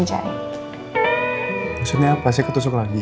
maksudnya apa saya ketusuk lagi